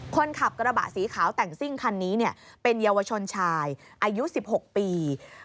คนขับกระบะสีขาวแต่งซิ่งคันนี้เป็นเยาวชนชายอายุ๑๖ปี